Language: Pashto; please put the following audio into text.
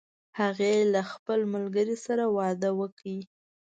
هغې له خپل ملګری سره واده وکړ